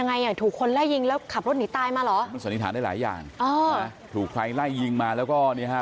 นี่ฮะที่แรกคิดว่าอุบัติเหตุธรรมดา